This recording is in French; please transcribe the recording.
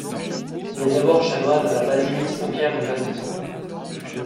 Il est d'abord chanoine à la basilique Saint-Pierre du Vatican.